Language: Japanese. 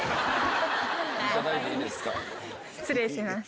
失礼します。